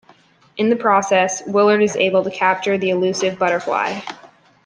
In the process, Willard is able to capture the elusive butterfly.